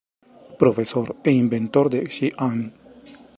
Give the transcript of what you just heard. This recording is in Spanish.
Profesor e inventor de Xi'An.